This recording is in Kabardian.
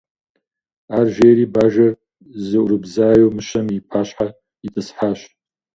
Ар жери бажэр зыӀурыбзаеу мыщэм и пащхьэ итӀысхьащ.